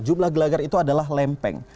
jumlah gelagar itu adalah lempeng